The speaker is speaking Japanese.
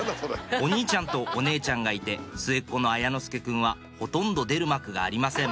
お兄ちゃんとお姉ちゃんがいて末っ子の綾之介くんはほとんど出る幕がありません